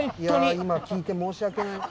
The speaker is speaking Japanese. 今聞いて申し訳ない。